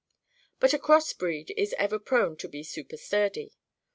But a cross breed is ever prone to be super sturdy.